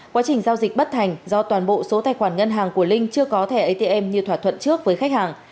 quá trình giao dịch bất thành do toàn bộ số tài khoản ngân hàng của linh chưa có thẻ atm như thỏa thuận trước với khách hàng